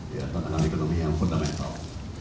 ya tantangan ekonomi yang fundamental